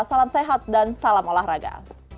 salam sehat dan salam olahraga